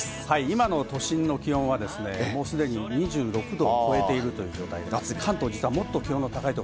今の都心の気温はですね、もう既に２６度を超えているという状態。